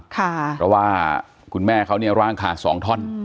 เพราะว่าคุณแม่เขาเนี่ยร่างขาด๒ท่อน